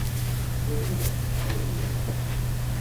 Com era el dia?